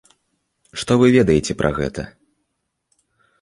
Што вы ведаеце пра гэта?